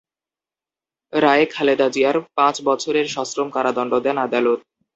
রায়ে খালেদা জিয়ার পাঁচ বছরের সশ্রম কারাদণ্ড দেন আদালত।